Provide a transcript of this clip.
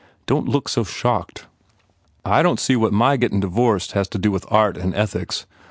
Don t look so shocked." "I don t see what my gettin divorced has to do with art and ethics.